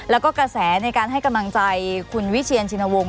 แล้วก็กระแสในการให้กำลังใจคุณวิเชียนชินวงศ